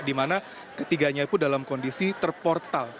di mana ketiganya pun dalam kondisi terportal